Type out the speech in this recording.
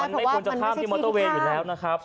มันไม่ควรจะข้ามที่มอเตอร์เวย์อยู่แล้วนะครับ